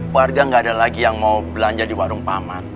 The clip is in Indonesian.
warga nggak ada lagi yang mau belanja di warung paman